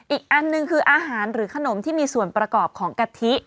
อีกอันหนึ่งคืออาหารหรือขนมที่มีส่วนประกอบของกะทิ